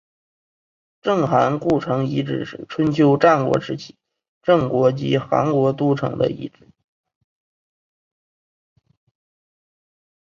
郑韩故城遗址是春秋战国时期郑国及韩国都城的遗址。